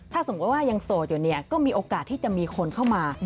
ถ้าสมมุติว่ายังโสดอยู่เนี่ยก็มีโอกาสที่จะมีคนเข้ามา